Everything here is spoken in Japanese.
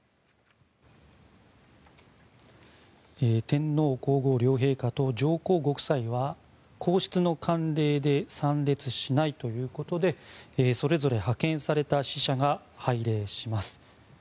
天皇・皇后両陛下と上皇ご夫妻は皇室の慣例で参列しないということでそれぞれ派遣された使者が拝礼します。